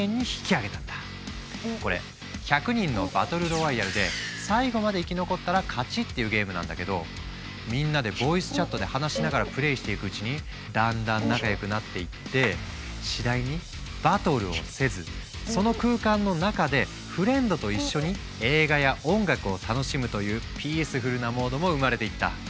これ１００人のバトルロワイヤルで最後まで生き残ったら勝ちっていうゲームなんだけどみんなでボイスチャットで話しながらプレイしていくうちにだんだん仲良くなっていって次第にバトルをせずというピースフルなモードも生まれていった。